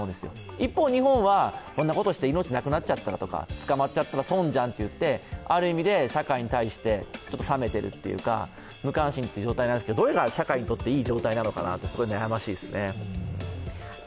一方、日本はこんなことして命なくなっちゃったらとか、捕まっちゃったら損じゃんっていうのである意味で社会に対してちょっと冷めているというか、無関心という状態なんですがどれが社会にとっていい状態なのかというのは悩ましいですね。